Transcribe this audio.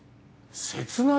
切ない？